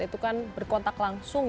itu kan berkontak langsung